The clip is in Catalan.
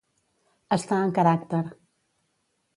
Estar en caràcter.